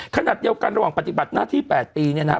ขนาดเดียวกันระหว่างปฏิบัติหน้าที่๘ปีเนี่ยนะฮะ